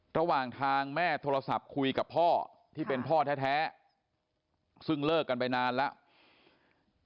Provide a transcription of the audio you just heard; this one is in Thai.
ระหว่างทางแม่โทรศัพท์คุยกับพ่อที่เป็นพ่อแท้ซึ่งเลิกกันไปนานแล้ว